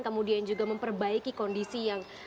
kemudian juga memperbaiki kondisi yang